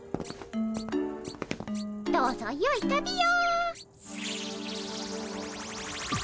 どうぞよい旅を。